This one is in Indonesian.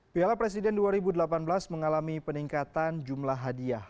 piala presiden dua ribu delapan belas mengalami peningkatan jumlah hadiah